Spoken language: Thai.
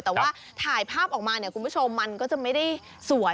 แต่ว่าถ่ายภาพออกมาเนี่ยคุณผู้ชมมันก็จะไม่ได้สวย